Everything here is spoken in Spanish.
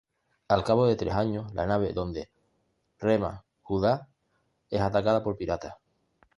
Al cabo de tres años, la nave donde rema Judah es atacada por piratas.